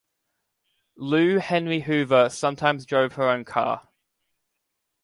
Lou Henry Hoover sometimes drove her own car.